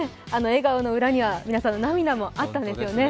笑顔の裏には皆さんの涙もあったんですね。